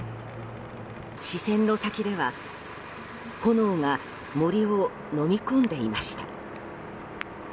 視線の先では炎が森をのみ込んでいました。